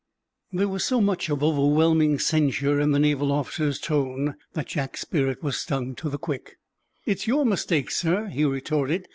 There was so much of overwhelming censure in the naval officer's tone that Jack's spirit was stung to the quick. "It's your mistake, sir," he retorted.